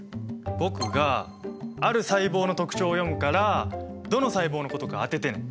僕がある細胞の特徴を読むからどの細胞のことか当ててね。